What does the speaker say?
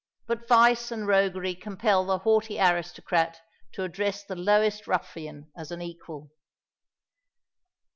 But vice and roguery compel the haughty aristocrat to address the lowest ruffian as an equal.